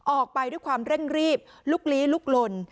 ออกไปด้วยความเร่งรีบลุกลี้ลุกลน